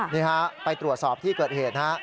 นี่ฮะไปตรวจสอบที่เกิดเหตุฮะ